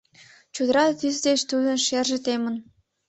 Чодыра тӱс деч тудын шерже темын.